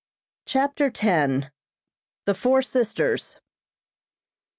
CHAPTER X. THE FOUR SISTERS.